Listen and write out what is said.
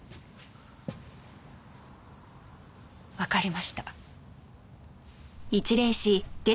わかりました。